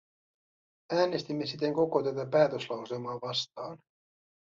Äänestimme siten koko tätä päätöslauselmaa vastaan.